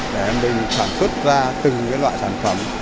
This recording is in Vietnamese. để mình sản xuất ra từng cái loại sản phẩm